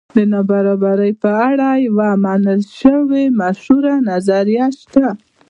د نابرابرۍ په اړه یوه منل شوې مشهوره نظریه شته.